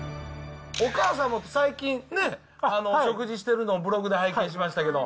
お母さんも最近ね、食事してるのをブログで拝見しましたけど。